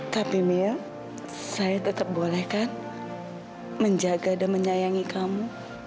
tapi mil saya tetap bolehkan menjaga dan menyayangi kamu